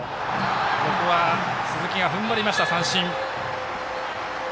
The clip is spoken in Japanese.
ここは鈴木がふんばりました三振。